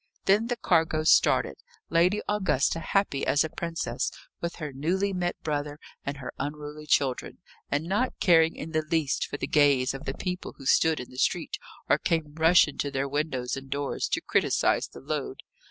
Then the cargo started! Lady Augusta happy as a princess, with her newly met brother and her unruly children, and not caring in the least for the gaze of the people who stood in the street, or came rushing to their windows and doors to criticise the load.